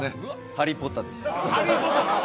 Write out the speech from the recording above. ハリー・ポッターさん？